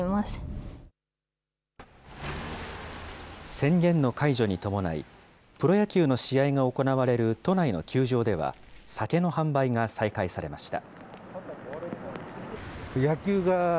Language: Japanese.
宣言の解除に伴い、プロ野球の試合が行われる都内の球場では、酒の販売が再開されました。